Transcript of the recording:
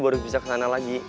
baru bisa kesana lagi